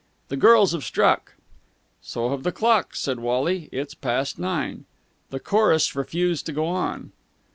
"The girls have struck!" "So have the clocks," said Wally. "It's past nine." "The chorus refuse to go on."